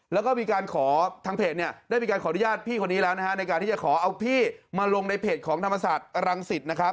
แล้วก็ทางเพจได้มีการขออนุญาตพี่คนนี้แล้วในการที่จะขอเอาพี่มาลงในเพจของธรรมศาสตร์รังสิต